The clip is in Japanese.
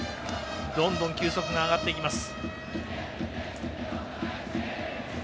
どんどん球速が上がっていきます。